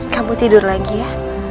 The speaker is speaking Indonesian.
kamu tidur lagi ya